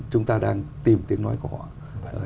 chúng ta đang tìm tiếng nói của họ